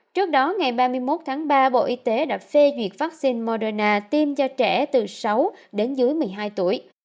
trước đó ngày ba mươi một tháng ba bộ y tế đã phê duyệt vaccine moderna tiêm cho trẻ từ sáu đến dưới một mươi hai tuổi